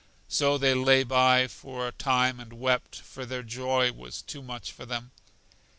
So they lay by for a time, and wept, for their joy was too much for them.